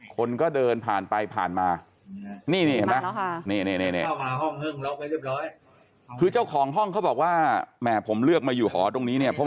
คนก็เดินผ่านไปผ่านมานี่เห็นไหมคือเจ้าของห้องเขาบอกว่าแหมผมเลือกมาอยู่หอตรงนี้เนี่ย